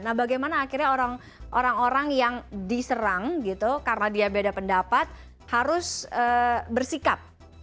nah bagaimana akhirnya orang orang yang diserang gitu karena dia beda pendapat harus bersikap